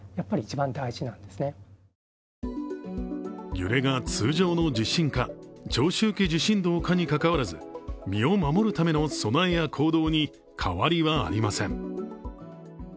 揺れが通常の地震か長周期地震動かにかかわらず、身を守るための備えや行動に変わりはありません。